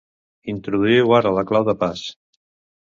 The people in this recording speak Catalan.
Introduïu ara la clau de pas